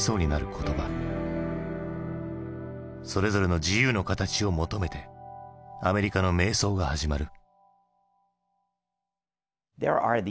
それぞれの自由の形を求めてアメリカの迷走が始まる。